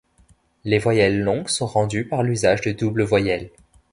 Les voyelles longues sont rendues par l'usage de doubles voyelles.